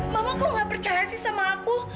mama mama mama kok gak percaya sih sama aku